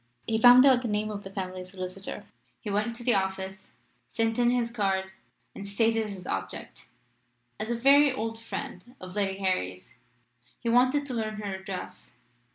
He found out the name of the family solicitor, he went to the office, sent in his card, and stated his object. As a very old friend of Lady Harry's, he wanted to learn her address.